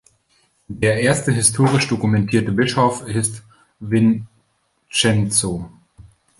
Der erste historisch dokumentierte Bischof ist Vincenzo.